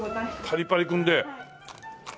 パリパリ君で。